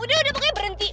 udah udah pokoknya berhenti